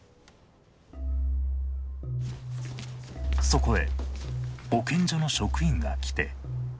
そこへ保健所の職員が来て。